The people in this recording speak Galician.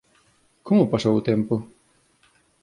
Como pasou o tempo?